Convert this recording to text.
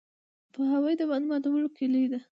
پوهاوی د بند ماتولو کلي ده.